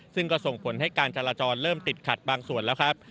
ซึ่งก็ส่งผลให้การจราจรเริ่มติดขัดบางส่วนแล้วครับ